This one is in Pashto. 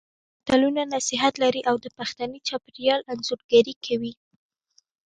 متلونه نصيحت لري او د پښتني چاپېریال انځورګري کوي